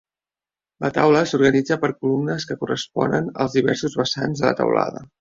La taula s"organitza per columnes que corresponen als diversos vessants de la teulada.